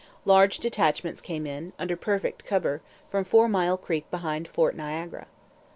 Large detachments came in, under perfect cover, from Four Mile Creek behind Fort Niagara.